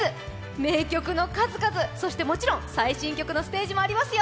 名曲の数々そしてもちろん最新曲のステージもありますよ。